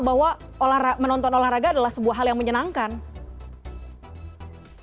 bahwa menonton olahraga adalah sebuah hal yang menyenangkan